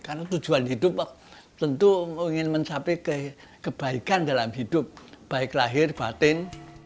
karena tujuan hidup tentu ingin mencapai kebaikan dalam hidup baik lahir batin